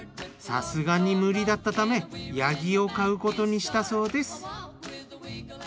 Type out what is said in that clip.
さすがに無理だったためヤギを飼うことにしたそうです。